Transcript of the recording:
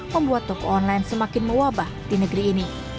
membuat toko online semakin mewabah di negeri ini